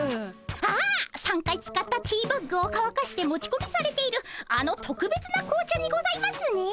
ああ３回使ったティーバッグをかわかして持ちこみされているあのとくべつな紅茶にございますね。